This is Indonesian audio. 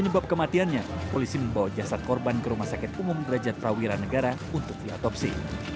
penyebab kematiannya polisi membawa jasad korban ke rumah sakit umum derajat prawira negara untuk diotopsi